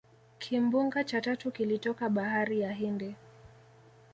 Kimbunga cha tatu kilitoka bahari ya hindi